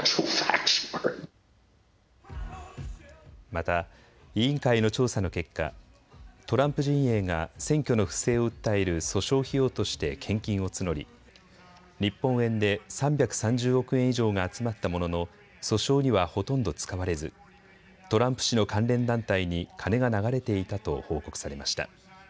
また委員会の調査の結果、トランプ陣営が選挙の不正を訴える訴訟費用として献金を募り日本円で３３０億円以上が集まったものの訴訟にはほとんど使われずトランプ氏の関連団体に金が流れていたと報告されました。